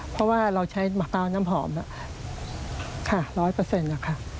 เพราะว่าเราใช้มะพร้าวน้ำหอมค่ะร้อยเปอร์เซ็นต์นะครับ